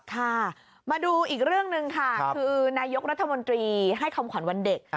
ค่ะมาดูอีกเรื่องหนึ่งค่ะคือนายกรัฐมนตรีให้คำขวัญวันเด็ก